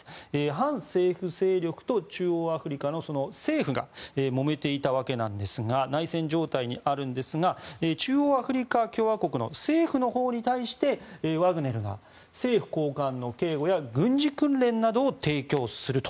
反政府勢力と中央アフリカの政府がもめていたわけなんですが内戦状態にあるんですが中央アフリカ共和国の政府のほうに対してワグネルが政府高官の警護や軍事訓練などを提供すると。